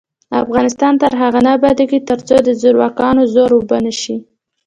افغانستان تر هغو نه ابادیږي، ترڅو د زورواکانو زور اوبه نشي.